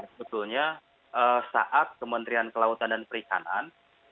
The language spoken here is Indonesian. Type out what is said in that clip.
sebetulnya saat kementerian kelautan dan perikanan